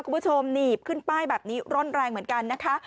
คุณผู้ชมหนีบขึ้นป้ายแบบนี้ร่อนแรงเหมือนกันนะคะ